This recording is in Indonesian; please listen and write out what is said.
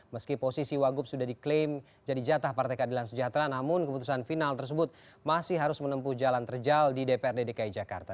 meski posisi wagup sudah diklaim jadi jatah partai keadilan sejahtera namun keputusan final tersebut masih harus menempuh jalan terjal di dprd dki jakarta